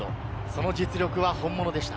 その実力は本物でした。